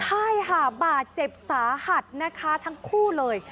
ใช่ค่ะบาดเจ็บสาหัสนะคะทั้งคู่เลย